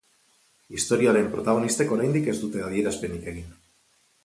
Istorioaren protagonistek oraindik ez dute adierazpenik egin.